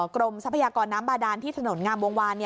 ทรัพยากรน้ำบาดานที่ถนนงามวงวาน